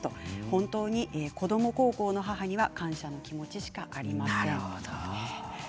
本当に子ども孝行の母には感謝の気持ちしかありません。